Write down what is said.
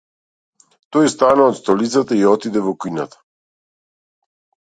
Тој стана од столицата и отиде во кујната.